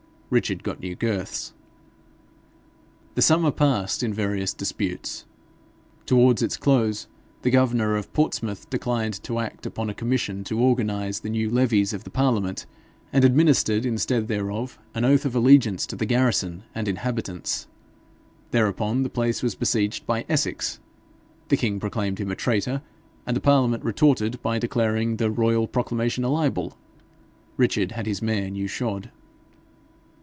Richard got new girths. The summer passed in various disputes. Towards its close the governor of Portsmouth declined to act upon a commission to organize the new levies of the parliament, and administered instead thereof an oath of allegiance to the garrison and inhabitants. Thereupon the place was besieged by Essex; the king proclaimed him a traitor, and the parliament retorted by declaring the royal proclamation a libel. Richard had his mare new shod.